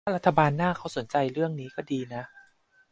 ถ้ารัฐบาลหน้าเขาสนใจเรื่องนี้ก็ดีนะ